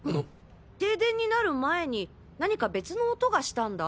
停電になる前に何か別の音がしたんだ。